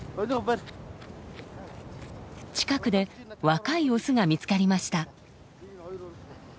近くで若いオスが見つかりました。